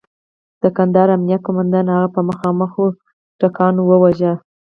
د کندهار امنیه قوماندان هغه په مخامخ ډزو وواژه.